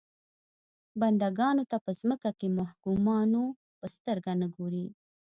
بنده ګانو ته په ځمکه کې محکومانو په سترګه نه ګوري.